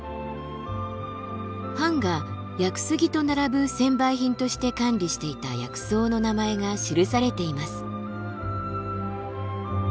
藩が屋久杉と並ぶ専売品として管理していた薬草の名前が記されています。